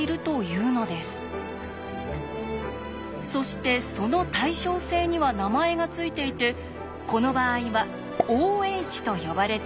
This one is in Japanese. そしてその対称性には名前が付いていてこの場合は「Ｏ」と呼ばれているんです。